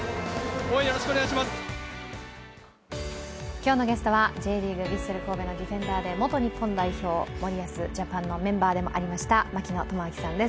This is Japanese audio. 今日のゲストはＪリーグ、ヴィッセル神戸のディフェンダーで元日本代表、森保ジャパンのメンバーでもありました槙野智章さんです。